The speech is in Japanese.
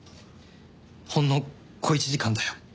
ほんの小一時間だよ。